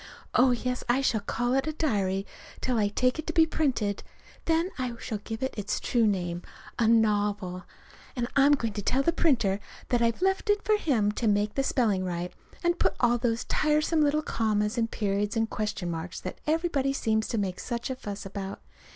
Oh, yes, I shall call it a diary till I take it to be printed. Then I shall give it its true name a novel. And I'm going to tell the printer that I've left it for him to make the spelling right, and put in all those tiresome little commas and periods and question marks that everybody seems to make such a fuss about.